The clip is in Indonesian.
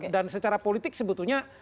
dan secara politik sebetulnya